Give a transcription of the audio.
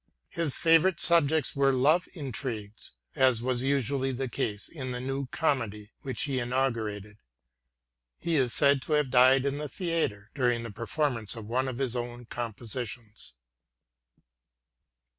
His favorite subjects were love intrigues, as was usually the case in the New Comedy, which he inaugurated. He is said to have died in the theatre, during the per formance of one of his own compositions.